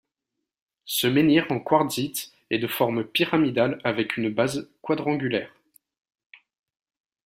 Ce menhir en quartzite est de forme pyramidale avec une base quadrangulaire.